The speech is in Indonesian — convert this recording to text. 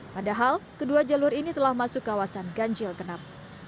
padahal kedua jalur ini telah masuk kawasan ganjil genap